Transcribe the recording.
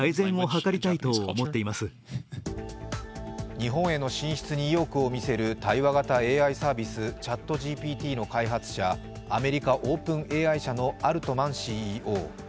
日本への進出に意欲を見せる対話型ＡＩサービスＣｈａｔＧＰＴの開発者アメリカ・オープンＡＩ社のアルトマンＣＥＯ。